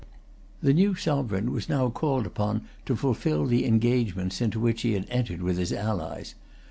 The new sovereign was now called upon to fulfil the engagements into which he had entered with his allies.